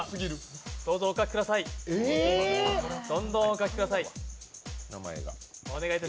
どんどんお書きください。